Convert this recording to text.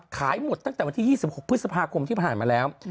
ขายหมดตั้งแต่วันที่๒๖พฤษภาคมที่ผ่านมาแล้ว